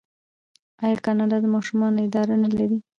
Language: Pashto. آیا کاناډا د ماشومانو اداره نلري؟